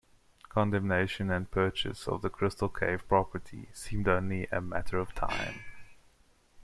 Condemnation and purchase of the Crystal Cave property seemed only a matter of time.